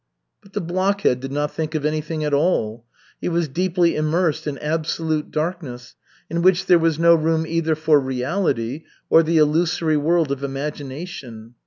But the blockhead did not think of anything at all. He was deeply immersed in absolute darkness, in which there was no room either for reality or the illusory world of imagination.